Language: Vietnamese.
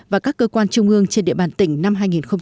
và các cơ quan trung ương trên địa bàn tỉnh năm hai nghìn một mươi chín